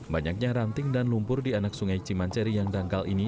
banyaknya ranting dan lumpur di anak sungai cimanceri yang dangkal ini